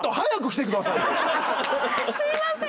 すいません。